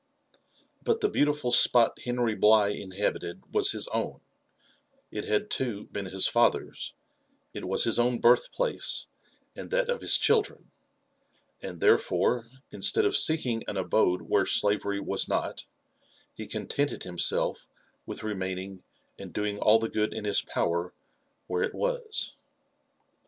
Bat the beautiful spot Henry Bligh inhabited was his own, — H had, too, been his father's; it was his own birth place, and that of his children ; and therefore, instead of seeking an abode where slavery was not, he contented himself with remaining and doing all the good in his power where it was.